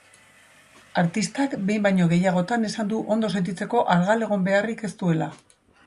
Artistak behin baino gehiagotan esan du ondo sentitzeko argal egon beharrik ez duela.